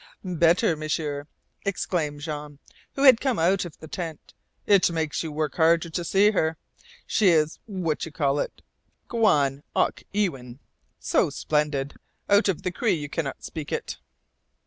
"Better, M'sieur," exclaimed Jean, who had come out of the tent. "It makes you work harder to see her. She is what you call it gwan auch ewin so splendid! Out of the Cree you cannot speak it."